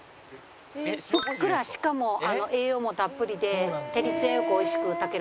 ふっくらしかも栄養もたっぷりで照りつや良くおいしく炊ける。